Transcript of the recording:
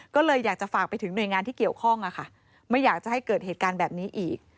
ก็เลยอยากจะฝากไปถึงหน่วยงานที่เกี่ยวข้องไม่อยากจะให้เกิดเหตุการณ์แบบนี้อีก